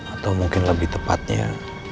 atau mungkin lebih tepatnya